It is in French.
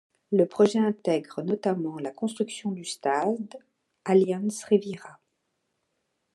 Le projet intègre notamment la construction du stade Allianz Riviera.